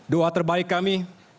doa terbaik kami